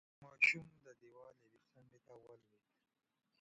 ماشوم د دېوال یوې څنډې ته ولوېد.